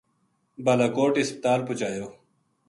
بالاکوٹ ہسپتال پوہچایو